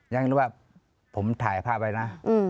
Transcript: ยังนึกว่าผมถ่ายภาพไว้นะ